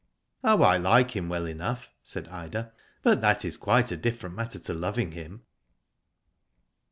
"Oh, I like him well enough,'^ said Ida, "but that is quite a different matter to loving him."